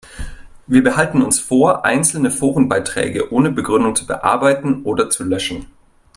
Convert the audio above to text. Wir behalten uns vor, einzelne Forenbeiträge ohne Begründung zu bearbeiten oder zu löschen.